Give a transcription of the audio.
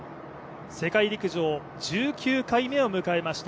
世界陸上１９回目を迎えました。